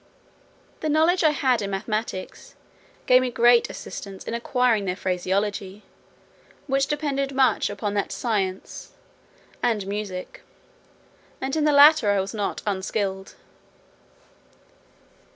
The knowledge I had in mathematics gave me great assistance in acquiring their phraseology, which depended much upon that science, and music; and in the latter I was not unskilled.